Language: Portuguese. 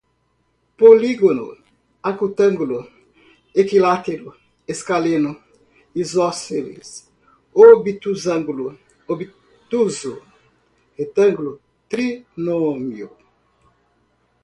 polígono, acutângulo, equilátero, escaleno, isósceles, obtusângulo, obtuso, retângulo, trinômio